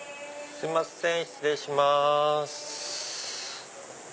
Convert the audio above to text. すいません失礼します。